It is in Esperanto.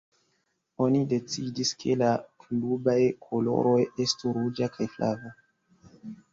Oni decidis ke la klubaj koloroj estu ruĝa kaj flava.